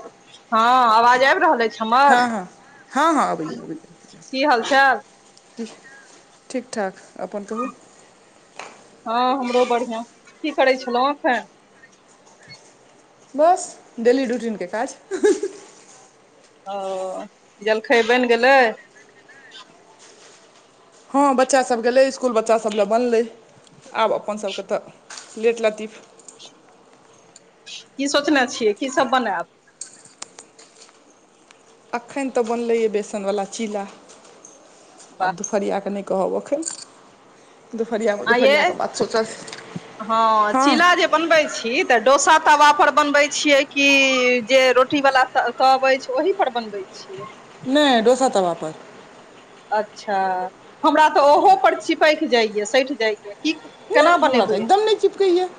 हँ, आवाज आबि रहल हँ अछि। हँ हँ हँ [unintelligible] की हालचाल? की ठीक ठाक अपन कहू। हँ हमरो बढ़िआं की करै छलहुँ एखन? बस डेली रूटीनके काज। ओ जलखै बनि गेलै? हँ बच्चासभ गेलै इसकुल बच्चासभ लेल बनलै। आब अपन सभके तऽ लेट लगती। की सोचने छियै की सब बनायब? अखैन तऽ बनलैय य बेसनवला चीला वाह आब दु फरिया कऽ नहि कहब एखन। दुपहरियामे आ ये दुपहरिया के बात सोचल जेतै हँ हां। चीला जे बनबै छी तऽ डोसा तवा पर बनबै छियै कि जे रोटी बाला त कहबै अछि ओहि पर बनबै छीयै। नहि दोसर तावा पर। अच्छा हमरा तऽ ओहो पर चिपैक जाइया सठि जाइय। की केना नहि हमरा तऽ बनेबै? एकदम नहि चिपकैए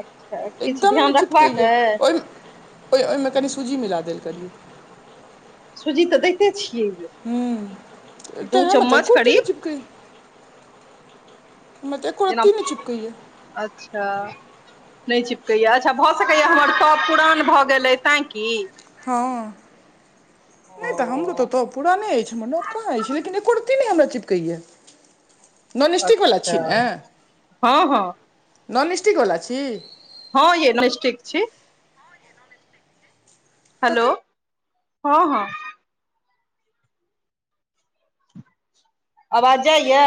अच्छा किछु एकदम नहि ध्यान रखबाक चिपकैए अइ? ओहिमे ओहि ओहिमे कनि सूजी मिला देल करियौ। सूजी तऽ दैते छियै हू तऽ दू चम्मच [unintelligible] करीब चिपकै हम त एको जेना रत्ती नहि चिपकैय या। अच्छा नहि चिपकैया अच्छा भऽ सकैया हमर तब पुरान भऽ गेलै तैं की? हँ नहि तऽ हमरो तऽ ओ तब पुराने अछि हम नब कहां अछि लेकिन एको रति नहि हमरा चिपकैया। अच्छा हँ हँ। नॉन स्टिकवला छी? हँ यैय नस्टीक छी। तखन हेलो हँ हँ आवाज जाय या?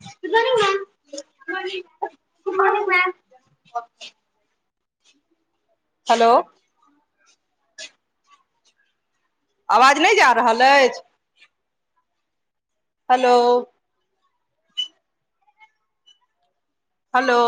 [unintelligible] हेलो आवाज नहि जा रहल अछि। Hello hello